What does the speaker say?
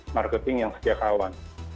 marketing yang setiap kawan